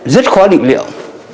rất khó định liệu